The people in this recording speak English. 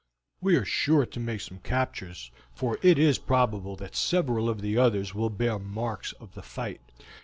We are sure to make some captures, for it is probable that several of the others will bear marks of the fight.